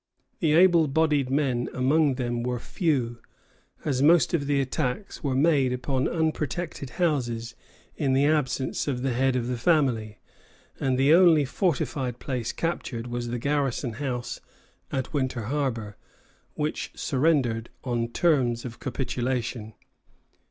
The able bodied men among them were few, as most of the attacks were made upon unprotected houses in the absence of the head of the family; and the only fortified place captured was the garrison house at Winter Harbor, which surrendered on terms of capitulation.